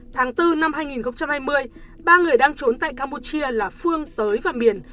tháng bốn năm hai nghìn hai mươi ba người đang trốn tại campuchia là phương tới và miền